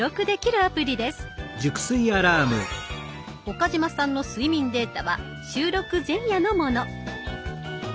岡嶋さんの睡眠データは収録前夜のもの。